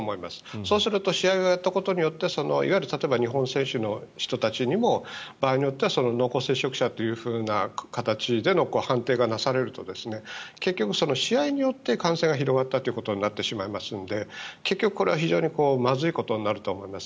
そうすると試合をやったことで例えば日本選手の人たちにも場合によっては濃厚接触者というふうな形での判定がなされると結局、試合によって感染が広がったということになってしまいますので結局、これは非常にまずいことになると思います。